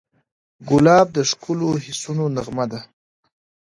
ګلاب د ښکلو حسونو نغمه ده.